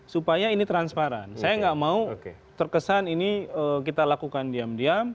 supaya ini transparan saya nggak mau terkesan ini kita lakukan diam diam